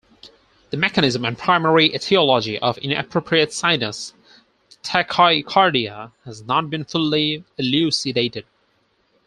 The mechanism and primary etiology of Inappropriate Sinus Tachycardia has not been fully elucidated.